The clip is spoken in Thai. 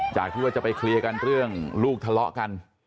จากที่ว่าจะไปเคลียร์กันเรื่องลูกทะเลาะกัน